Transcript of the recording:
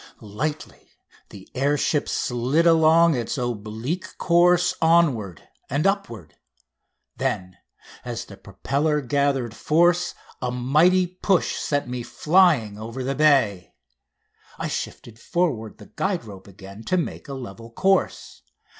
Lightly the air ship slid along its oblique course, onward and upward. Then as the propeller gathered force a mighty push sent me flying over the bay. I shifted forward the guide rope again to make a level course.